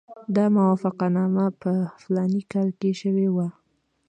دا موافقتنامه په فلاني کال کې شوې وه.